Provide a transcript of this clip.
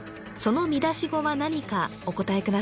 その見出し語は何かお答え